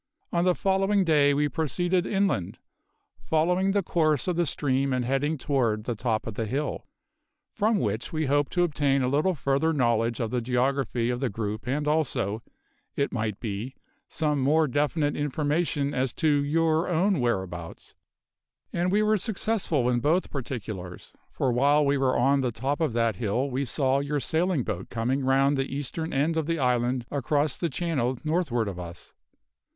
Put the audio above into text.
On the following day we proceeded inland, following the course of the stream and heading toward the top of the hill, from which we hoped to obtain a little further knowledge of the geography of the group and also, it might be, some more definite information as to your own whereabouts. And we were successful in both particulars, for while we were on the top of that hill we saw your sailing boat coming round the eastern end of the island across the channel northward of us.